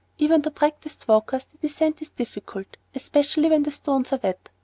Even to practised walkers the descent is difficult, especially when the stones are wet.